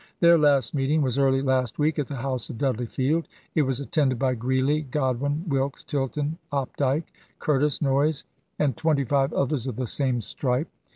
Their last meeting was early last week at the house of Dudley Field. It was attended by Greeley, Godwin, Wilkes, Tilton, Opdyke, Curtis Noyes, and twenty five others of the same stripe."